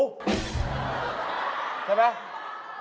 ใช่ไหม